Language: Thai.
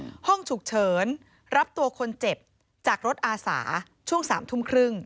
ห้องฉุกเฉินรับตัวคนเจ็บจากรถอาสาช่วงสามทุ่มครึ่ง